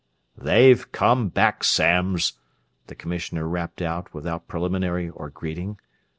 "They've come back, Samms!" the Commissioner rapped out, without preliminary or greeting.